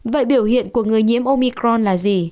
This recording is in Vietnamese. vậy biểu hiện của người nhiễm omicron là gì